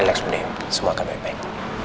relax bu dewi semua akan baik baik